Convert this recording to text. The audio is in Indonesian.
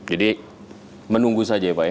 jadi menunggu saja ya pak ya